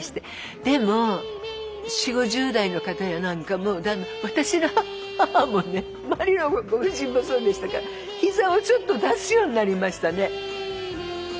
でも４０５０代の方やなんかも私の母もね周りのご婦人もそうでしたから膝をちょっと出すようになりましたね。